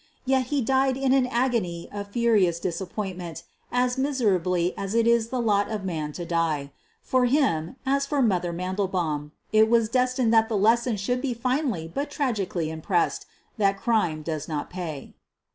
Yet he died in an agony of furious disappointment as miserably as it is the lot of man to die. For him, as for ' l Mother '' Mandelbaum, it was destined that the lesson should be finally but tragically im pressed — that crime does not pay